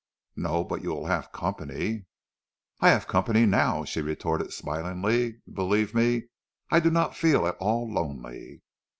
"No, but you will have company." "I have company now," she retorted smilingly, "and believe me I do not feel at all lonely."